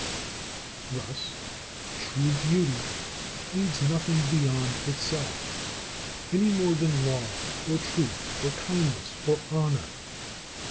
Thus true beauty needs nothing beyond itself, any more than law, or truth, or kindness, or honour.